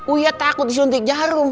uya takut disuntik jarum